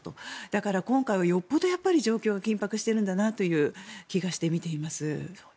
だから今回はよほど状況が緊迫しているんだなという気がしてみています。